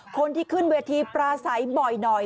คนที่ขึ้นเวลาเวลาปลาสายบ่อย